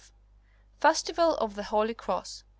Festival of the Holy Cross.